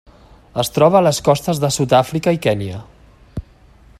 Es troba a les costes de Sud-àfrica i Kenya.